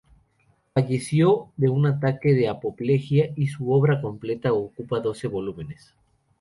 Falleció de un ataque de apoplejía y su obra completa ocupa doce volúmenes.